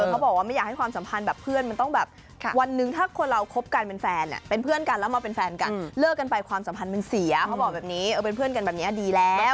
เขาบอกว่าไม่อยากให้ความสัมพันธ์แบบเพื่อนมันต้องแบบวันหนึ่งถ้าคนเราคบกันเป็นแฟนเป็นเพื่อนกันแล้วมาเป็นแฟนกันเลิกกันไปความสัมพันธ์มันเสียเขาบอกแบบนี้เป็นเพื่อนกันแบบนี้ดีแล้ว